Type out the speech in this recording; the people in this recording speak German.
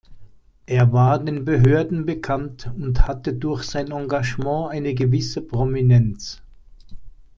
Er war den Behörden bekannt und hatte durch sein Engagement eine gewisse Prominenz.